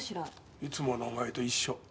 いつものお前と一緒。